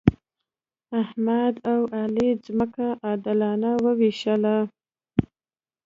احمد او علي ځمکه عادلانه وویشله.